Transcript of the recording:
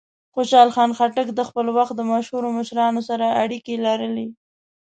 خوشحال خان خټک د خپل وخت د مشهورو مشرانو سره اړیکې لرلې.